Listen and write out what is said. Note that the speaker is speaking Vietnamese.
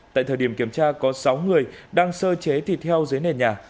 tại thời điểm kiểm tra có sáu người đang sơ chế thịt heo dưới nền nhà